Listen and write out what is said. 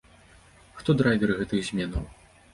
Хто драйвер гэтых зменаў?